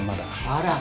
あら。